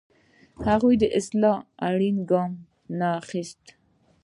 هغوی د اصلاح اړین ګام نه اخیسته.